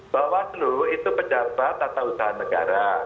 bawaslu itu pejabat tata usaha negara